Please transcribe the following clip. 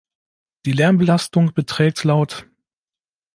Die Lärmbelastung beträgt lt.